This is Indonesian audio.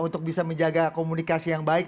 untuk bisa menjaga komunikasi yang baik